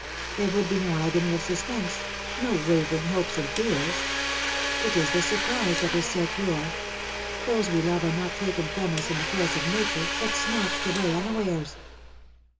There would be no agony of suspense — no waver ing hopes and fears. It is the surprise that is so cruel. Those we love are not taken from us in the course of nature, but snatched away unawares.